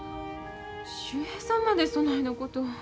秀平さんまでそないなこと。